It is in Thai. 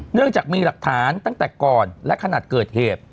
เนื่องจากมีหลักฐานตั้งแต่ก่อนและขนาดเกิดเหตุ